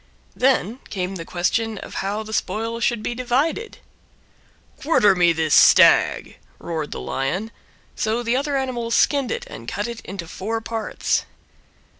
Then came the question how the spoil should be divided. "Quarter me this Stag," roared the Lion; so the other animals skinned it and cut it into four parts.